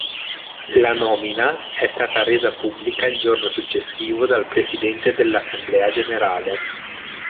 La nomina è stata resa pubblica il giorno successivo dal Presidente dell'Assemblea Generale.